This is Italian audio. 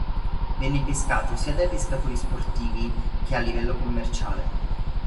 Viene pescato sia da pescatori sportivi che a livello commerciale.